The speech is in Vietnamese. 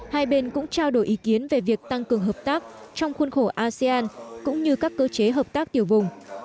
hai bên cũng trao đổi ý kiến về việc tăng cường hợp tác trong khuôn khổ asean cũng như các cơ chế hợp tác tiểu vùng